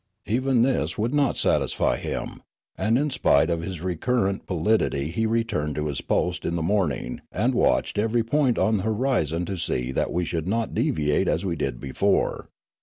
Even this would not satisfy him, and in spite of his recurrent pallidity he returned to his post in the morning and watched every point on the horizon to see that we should not deviate as we did before.